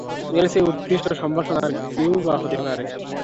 এর চেয়ে উৎকৃষ্ট সম্ভাষণ আর কিইবা হতে পারে?